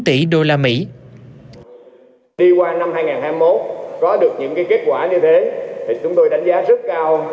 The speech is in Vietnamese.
đi qua năm hai nghìn hai mươi một có được những kết quả như thế thì chúng tôi đánh giá rất cao